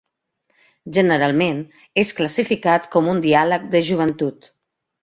Generalment és classificat com un diàleg de joventut.